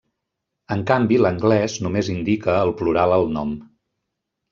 En canvi l'anglès només indica el plural al nom.